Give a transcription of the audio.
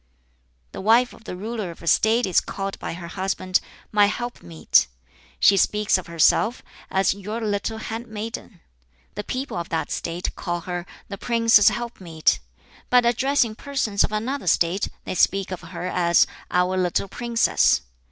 The wife of the ruler of a State is called by her husband "My helpmeet." She speaks of herself as "Your little handmaiden." The people of that State call her "The prince's helpmeet," but addressing persons of another State they speak of her as "Our little princess."